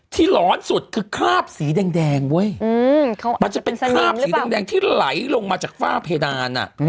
หลอนสุดคือคราบสีแดงเว้ยมันจะเป็นคราบสีแดงที่ไหลลงมาจากฝ้าเพดาน